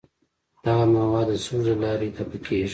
دغه مواد د سږو له لارې دفع کیږي.